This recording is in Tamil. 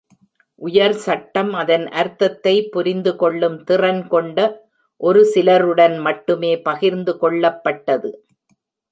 உயர் சட்டம் அதன் அர்த்தத்தை புரிந்து கொள்ளும் திறன் கொண்ட ஒரு சிலருடன் மட்டுமே பகிர்ந்து கொள்ளப்பட்டது.